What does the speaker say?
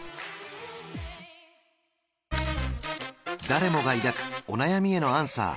誰も抱くお悩みへのアンサー